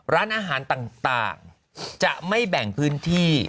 ร้านอาหารต่างจะไม่แบ่งพื้นที่